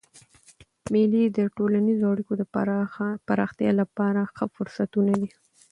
مېلې د ټولنیزو اړیکو د پراختیا له پاره ښه فرصتونه دي.